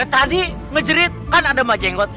tadi ngejerit kan ada mbak jenggot